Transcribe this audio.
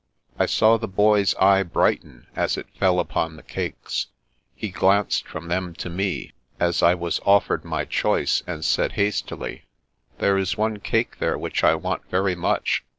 I saw the boy's eye brighten as it fell upon the cakes. He glanced from them to me, as I was offered my choice, and said hastily :" There is one cake there which I want very much.